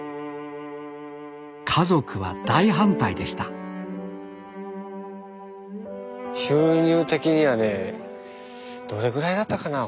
家族は大反対でした収入的にはねどれくらいだったかな？